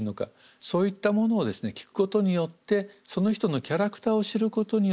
そういったものをですね聞くことによってその人のキャラクターを知ることによってですね